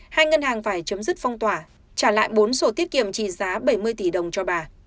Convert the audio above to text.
hai ngân hàng phải chấm dứt phong tỏa trả lại bốn sổ tiết kiệm trị giá bảy mươi tỷ đồng cho bà